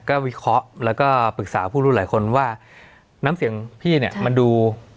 ก็วิเคราะห์แล้วก็ปรึกษาผู้รู้หลายคนว่าน้ำเสียงพี่เนี่ยมันดู